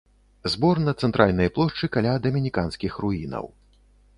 Збор на цэнтральнай плошчы каля дамініканскіх руінаў.